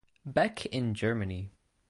Beck in Germany.